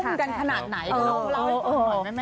กลุ่มกันขนาดไหนของเรา